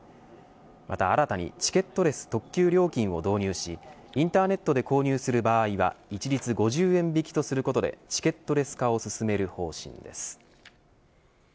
また新たにチケットレス特急料金を導入しインターネットで購入する場合は一律５０円引きとすることでチケットレス化を進める方針です。